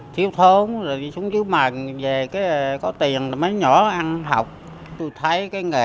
khiến chúng ta tin tưởng